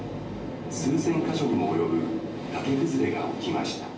数千か所にも及ぶ崖崩れが起きました」。